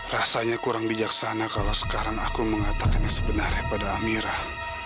rasanya kurang bijaksana kalau sekarang aku mengatakan sebenarnya pada amirah